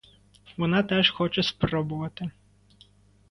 Вона теж хоче спробувати.